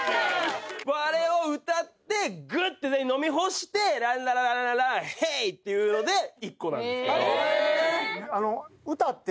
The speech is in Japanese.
あれを歌ってグッて飲み干してランラララヘイ！っていうので１個なんですけど。へ！